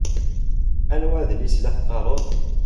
Anwa adlis i la teqqaṛeḍ?